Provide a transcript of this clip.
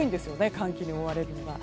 寒気に覆われるのが。